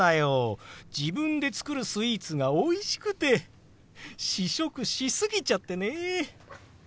自分で作るスイーツがおいしくて試食し過ぎちゃってね。